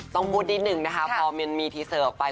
ต้องพูดนิดนึงนะคะพอมันมีทีเซอร์ออกไป